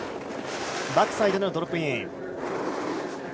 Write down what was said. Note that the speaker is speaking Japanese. バックサイドのドロップイン。